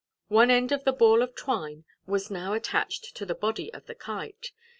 One end of the ball of twine was now attached to the body of the Kite.